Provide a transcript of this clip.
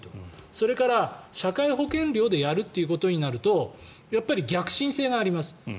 それから、社会保険料でやるということになるとやっぱり逆進性があります。